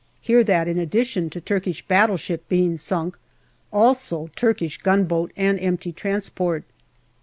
Hear that in addition to Turkish battleship being sunk, also Turkish gunboat and empty transport.